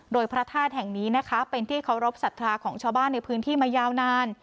โดยพระธาตุแห่งนี้นะคะเป็นที่เคารพสัทธาของชาวบ้านในพื้นที่มายาวนาน